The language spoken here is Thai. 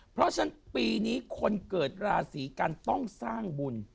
เพราะฉะนั้นปีนี้คนเกิดราศีกันต้องสร้างบุญ